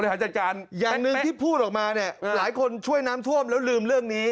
หาจัดการอย่างหนึ่งที่พูดออกมาเนี่ยหลายคนช่วยน้ำท่วมแล้วลืมเรื่องนี้